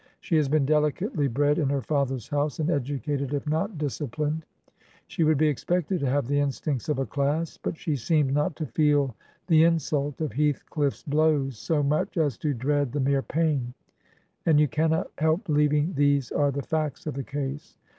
She has been dehcately bred in her father's house, and educated, if not disciplined; she would be expected to have the instincts of a class; but she seems not to feel the insult of Heathcliff's blows so much as to dread the mere pain; and you cannot help believing these are the facts of the case.